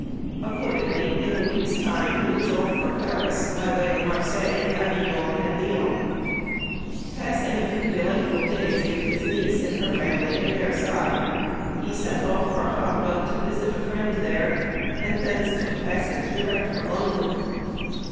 Accordingly, in a week's time he was off for Paris, by way of Marseilles, Avignon, and Lyons. Passing a few delightful days with his niece and her family at Versailles, he set off for Havre to visit a friend there, and thence took passage direct to London.